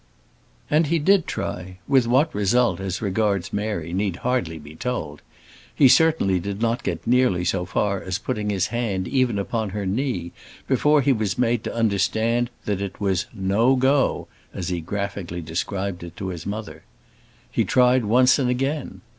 And he did try. With what result, as regards Mary, need hardly be told. He certainly did not get nearly so far as putting his hand even upon her knee before he was made to understand that it "was no go," as he graphically described it to his mother. He tried once and again.